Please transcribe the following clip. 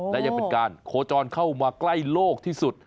และยังเป็นการโคจรเข้ามาใกล้โลกที่สุด